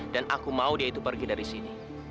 dan aku mau dia itu pergi dari sini